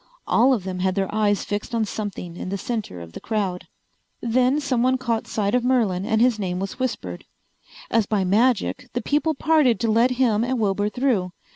All of them had their eyes fixed on something in the center of the crowd. Then someone caught sight of Merlin and his name was whispered. As by magic the people parted to let him and Wilbur through.